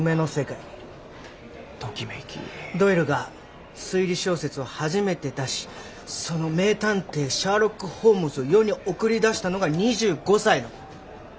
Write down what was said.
ドイルが推理小説を初めて出しその名探偵シャーロック・ホームズを世に送り出したのが２５歳の頃。